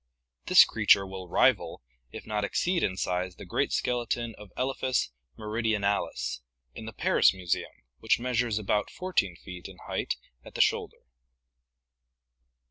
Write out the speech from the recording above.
This creature will rival, if not exceed in size the great skeleton of Elephas meridionalis in the Paris Museum, which measures about 14 feet in height at the shoulder.